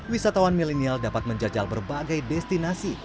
wisatawan milenial dapat menjajal berbagai destinasi